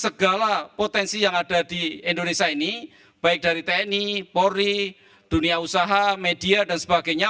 segala potensi yang ada di indonesia ini baik dari tni polri dunia usaha media dan sebagainya